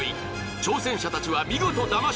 ［挑戦者たちは見事だまし